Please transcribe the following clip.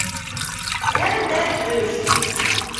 Әл дә төш...